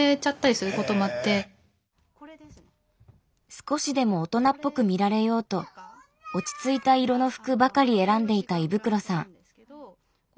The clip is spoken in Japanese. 少しでも大人っぽく見られようと落ち着いた色の服ばかり選んでいた衣袋さん。